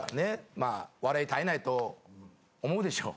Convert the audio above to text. まあ笑い絶えないと思うでしょう？